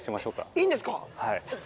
いいんですか？